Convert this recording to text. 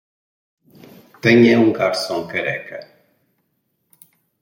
Tenha um garçom careca